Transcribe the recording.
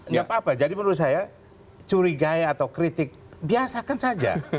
nggak apa apa jadi menurut saya curigai atau kritik biasakan saja